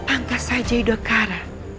angka saja yudhakara